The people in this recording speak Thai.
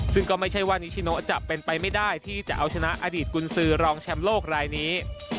ซึ่งก็ไม่ใช่ว่านิชิโนจะเป็นไปไม่ได้ที่จะเอาชนะอดีตกุญสือรองแชมป์โลกรายนี้